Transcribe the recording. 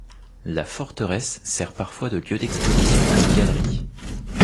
La forteresse sert parfois de lieu d'exposition comme galerie.